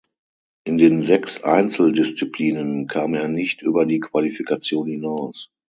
In den sechs Einzeldisziplinen kam er nicht über die Qualifikation hinaus.